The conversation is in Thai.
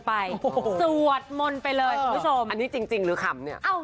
อันนี้จริงหรือขำเนี่ย